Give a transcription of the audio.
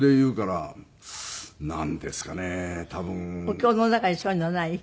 お経の中にそういうのない？